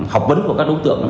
học vấn của các đối tượng